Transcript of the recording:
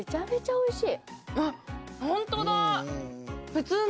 おいしい！